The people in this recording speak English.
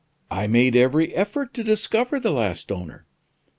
"I made every effort to discover the last owner."